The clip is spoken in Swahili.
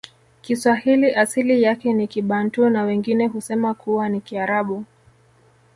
kiswahili asili yake ni kibantu na wengine husema kuwa ni kiarabu